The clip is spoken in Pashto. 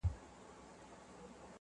پخواني خلک تازه شېدې څښلې.